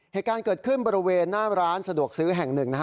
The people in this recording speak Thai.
เหตุการณ์เกิดขึ้นบริเวณหน้าร้านสะดวกซื้อแห่งหนึ่งนะฮะ